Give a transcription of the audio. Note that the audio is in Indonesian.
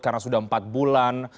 karena sudah empat bulan